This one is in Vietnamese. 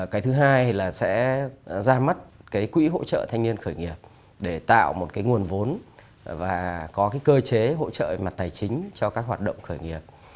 cái thứ hai là sẽ ra mắt cái quỹ hỗ trợ thanh niên khởi nghiệp để tạo một cái nguồn vốn và có cái cơ chế hỗ trợ mặt tài chính cho các hoạt động khởi nghiệp